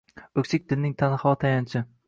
Oʼksik dilning tanho tayanchi